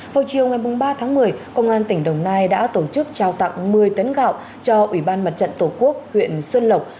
vào chiều ngày ba tháng một mươi công an tỉnh đồng nai đã tổ chức trao tặng một mươi tấn gạo cho ủy ban mặt trận tổ quốc huyện xuân lộc